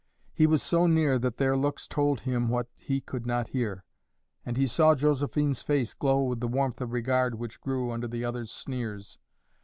He was so near that their looks told him what he could not hear, and he saw Josephine's face glow with the warmth of regard which grew under the other's sneers.